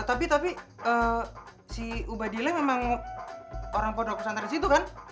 tapi tapi si ubaydillah memang orang podok pesantren disitu kan